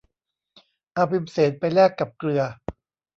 เอาพิมเสนไปแลกกับเกลือ